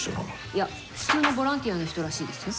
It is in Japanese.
いや普通のボランティアの人らしいですよ。